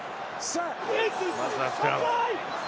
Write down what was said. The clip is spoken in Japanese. まずはスクラム。